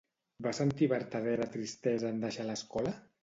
Va sentir vertadera tristesa en deixar l'escola?